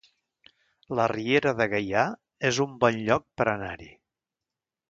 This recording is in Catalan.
La Riera de Gaià es un bon lloc per anar-hi